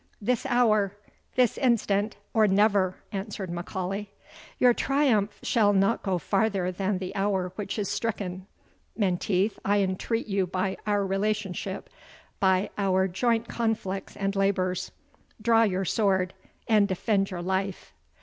"This hour this instant or never," answered M'Aulay. "Your triumph shall not go farther than the hour which is stricken. Menteith, I entreat you by our relationship by our joint conflicts and labours draw your sword, and defend your life!"